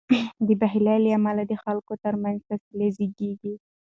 د بخل له امله د خلکو تر منځ فاصله زیږیږي.